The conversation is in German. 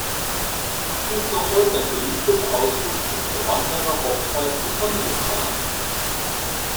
Sie ist noch heute ein beliebtes Ausflugsziel für Wanderer, Hochzeiten und Familienfeiern.